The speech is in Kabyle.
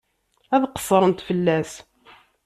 Ad qeṣṣrent fell-as.